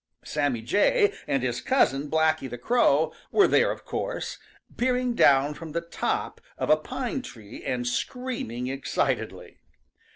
Sammy Jay and his cousin, Blacky the Crow, were there of course, peering down from the top of a pine tree and screaming excitedly.